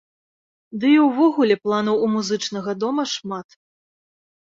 Ды і ўвогуле планаў у музычнага дома шмат.